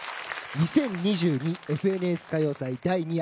「２０２２ＦＮＳ歌謡祭第２夜」